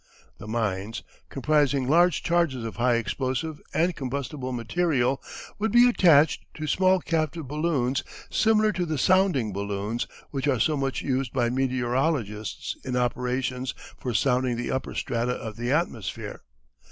The mines, comprising large charges of high explosive and combustible material, would be attached to small captive balloons similar to the "sounding balloons" which are so much used by meteorologists in operations for sounding the upper strata of the atmosphere.